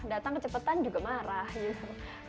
datang kecepatan juga marah gitu